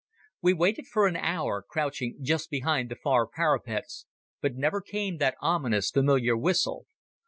We waited for an hour, crouching just behind the far parapets, but never came that ominous familiar whistle.